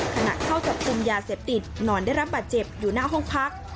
ขณะเข้าจับกลุ่มยาเสพติดนอนได้รับบาดเจ็บอยู่หน้าห้องพัก